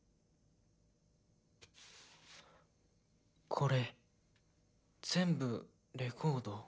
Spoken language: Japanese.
これ全部レコード？